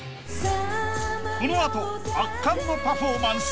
［この後圧巻のパフォーマンス］